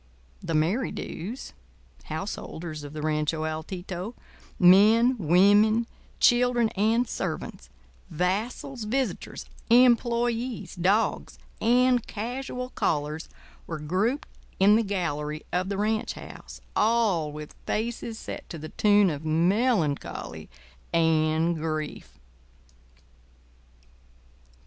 The Merrydews (householders of the Rancho Altito), men, women, children, and servants, vassals, visitors, employés, dogs, and casual callers were grouped in the "gallery" of the ranch house, all with faces set to the tune of melancholy and grief.